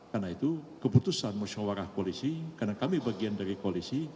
karena itu keputusan mesyuarah koalisi karena kami bagian dari koalisi